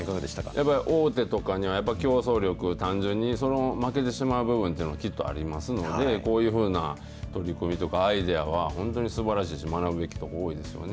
やっぱ、大手とかには、競争力、単純に負けてしまう部分というのもきっとありますので、こういうふうな取り組みとか、アイデアは本当にすばらしいし、学ぶべきところ、多いですよね。